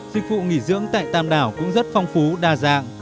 dịch vụ nghỉ dưỡng tại tam đảo cũng rất phong phú đa dạng